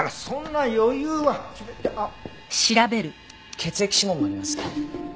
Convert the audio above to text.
血液指紋もあります。